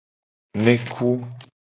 Neku.